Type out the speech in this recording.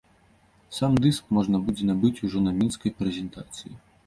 Сам дыск можна будзе набыць ужо на мінскай прэзентацыі.